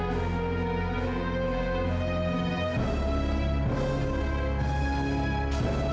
pembawa anak ini